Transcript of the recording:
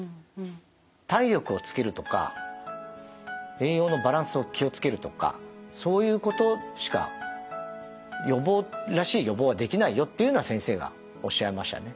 「体力をつけるとか栄養のバランスを気を付けるとかそういうことしか予防らしい予防はできないよ」っていうのは先生がおっしゃいましたね。